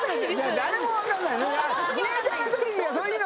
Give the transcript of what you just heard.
誰も分かんないの？